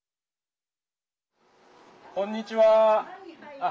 こんにちは。